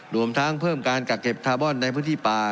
รวมทั้งเพิ่มการกักเก็บคาร์บอนในพื้นที่ป่า